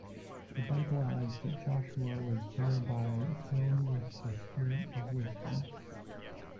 The Bible adds that Joshua was thereby "filled with the spirit of wisdom".